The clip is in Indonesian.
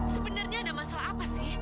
sebenarnya ada masalah apa